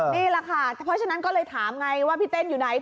นี่แหละค่ะเพราะฉะนั้นก็เลยถามไงว่าพี่เต้นอยู่ไหน